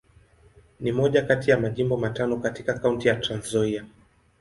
Ni moja kati ya Majimbo matano katika Kaunti ya Trans-Nzoia.